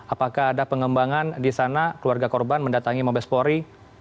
apakah ada pengembangan di sana keluarga korban mendatangi mabespori